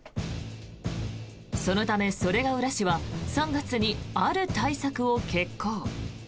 そのため袖ケ浦市は３月にある対策を決行。